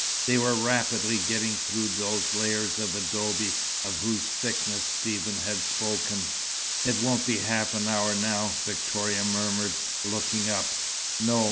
They were rapidly getting through those layers of adobe, of whose thickness Stephen had spoken. "It won't be half an hour now," Victoria murmured, looking up. "No.